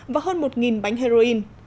và hơn một bánh heroin